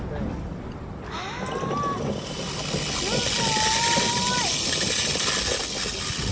あー、すごい！